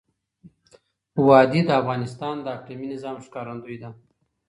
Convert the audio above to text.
وادي د افغانستان د اقلیمي نظام ښکارندوی ده.